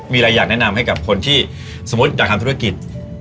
มีอะไรอยากแนะนำให้กับคนที่สมมุติอยากทำธุรกิจ